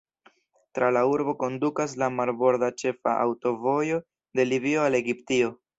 Tra la urbo kondukas la marborda ĉefa aŭtovojo de Libio al Egiptio.